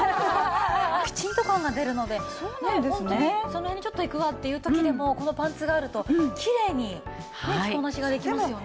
きちんと感が出るので本当にその辺にちょっと行くわっていう時でもこのパンツがあるときれいに着こなしができますよね。